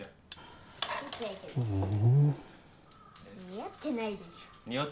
似合ってないでしょ。